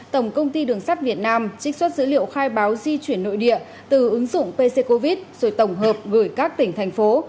tổng công ty đường sắt việt nam trích xuất dữ liệu khai báo di chuyển nội địa từ ứng dụng pc covid rồi tổng hợp gửi các tỉnh thành phố